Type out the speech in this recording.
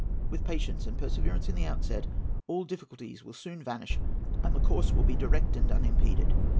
With patience and perseverance in the outset, all difficulties will soon vanish, and the course will be direct and unimpeded.